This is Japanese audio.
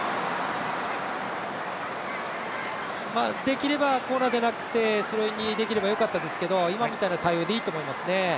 できればコーナーでなくてスローインにできればよかったですけど今みたいな対応でいいと思いますね。